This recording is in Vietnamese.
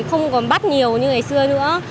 không còn bắt nhiều như ngày xưa nữa